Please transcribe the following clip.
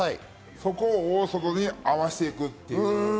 そこにを大外を合わしていくという。